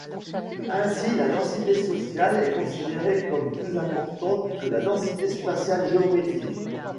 Ainsi la densité sociale est considérée comme plus importante que la densité spatiale géométrique.